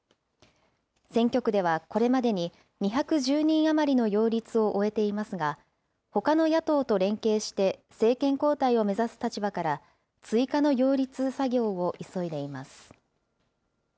選挙区ではこれまでに２１０人余りの擁立を終えていますが、ほかの野党と連携して、政権交代を目指す立場から、追加の擁立作業を急いでいます。